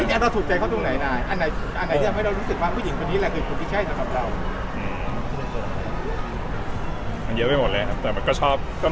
อันนี้เราถูกใจเขาตรงไหนอันไหนที่เราไม่รู้สึกว่าผู้หญิงคนนี้แหละคือผู้ที่ใช่กับเรา